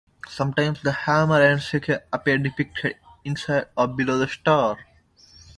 Sometimes the hammer and sickle appeared depicted inside or below the star.